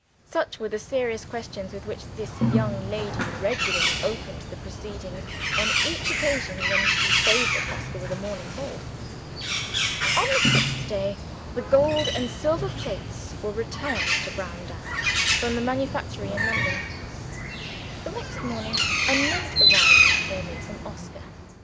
Such were the serious questions with which this young lady regularly opened the proceedings, on each occasion when she favored Oscar with a morning call. On the sixth day, the gold and silver plates were returned to Browndown from the manufactory in London. The next morning a note arrived for me from Oscar.